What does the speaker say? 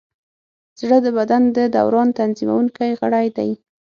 زړه د بدن د دوران تنظیمونکی غړی دی.